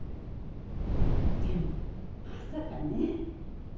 でもまさかね。